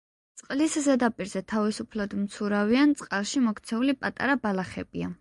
წყლის ზედაპირზე თავისუფლად მცურავი ან წყალში მოქცეული პატარა ბალახებია.